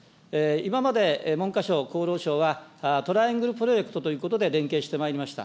今まで文科省、厚労省は、トライアングルプロジェクトということで、連携してまいりました。